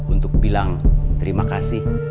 untuk bilang terima kasih